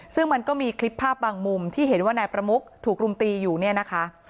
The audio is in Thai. ซึ่งมันก็มีคลิปภาพบางมุมที่เห็นว่านายประมุกถูกรุมตีอยู่เนี่ยนะคะ